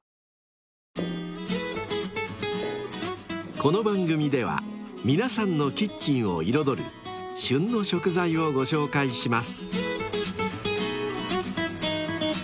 ［この番組では皆さんのキッチンを彩る「旬の食材」をご紹介します］